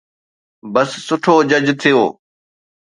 بس سٺو جج ٿيو.